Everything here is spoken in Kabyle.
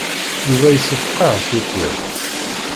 Yuba yessefqaɛ tikwal.